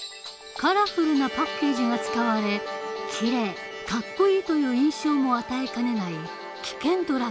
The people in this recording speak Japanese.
カラフルなパッケージが使われ「きれい」「かっこいい」という印象も与えかねない